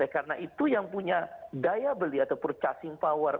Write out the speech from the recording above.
karena itu yang punya daya beli atau purchasing power